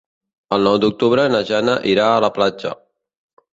El nou d'octubre na Jana irà a la platja.